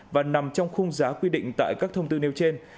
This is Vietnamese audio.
và nằm trong khung giá quy định tại các thông tư nêu trên